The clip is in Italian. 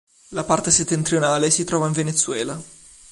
La parte settentrionale si trova in Venezuela.